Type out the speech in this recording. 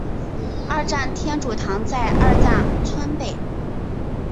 二站天主堂在二站村北。